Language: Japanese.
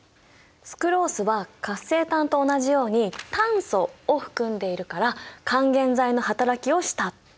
スクロースは活性炭と同じように炭素を含んでいるから還元剤のはたらきをしたってわけ。